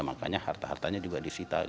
makanya harta hartanya juga disita